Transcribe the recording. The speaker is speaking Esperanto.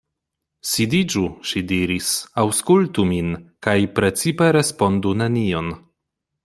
Sidiĝu, ŝi diris, aŭskultu min, kaj precipe respondu nenion.